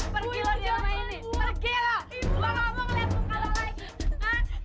pergilah di rumah ini pergilah ibu gak mau ngeliatmu kalah lagi